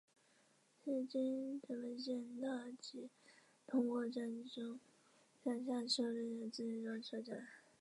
是京成本线特急通过站中上下车人次最多的车站。